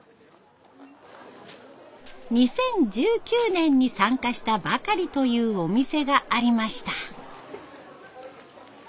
２０１９年に参加したばかりというお店がありました。